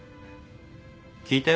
聞いたよ